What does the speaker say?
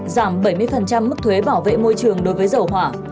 giảm bảy mươi mức thuế bảo vệ môi trường đối với dầu hỏa